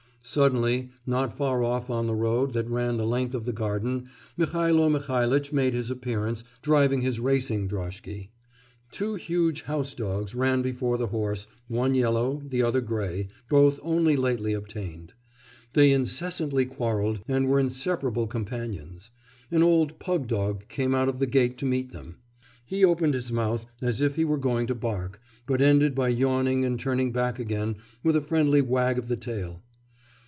Suddenly, not far off on the road that ran the length of the garden, Mihailo Mihailitch made his appearance driving his racing droshky. Two huge house dogs ran before the horse, one yellow, the other grey, both only lately obtained. They incessantly quarrelled, and were inseparable companions. An old pug dog came out of the gate to meet them. He opened his mouth as if he were going to bark, but ended by yawning and turning back again with a friendly wag of the tail.